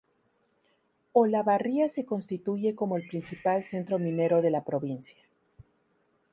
Olavarría se constituye como el principal centro minero de la Provincia.